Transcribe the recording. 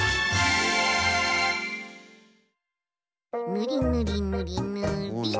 ぬりぬりぬりぬりっと。